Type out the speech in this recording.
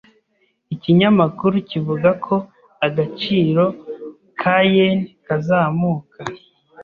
Ikinyamakuru kivuga ko agaciro ka yen kazamuka.